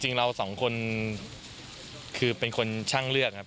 จริงเราสองคนคือเป็นคนช่างเลือกครับ